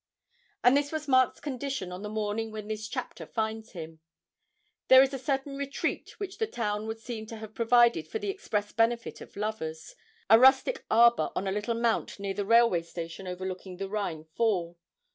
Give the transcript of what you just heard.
And this was Mark's condition on the morning when this chapter finds him. There is a certain retreat which the town would seem to have provided for the express benefit of lovers a rustic arbour on a little mount near the railway station overlooking the Rhine Fall.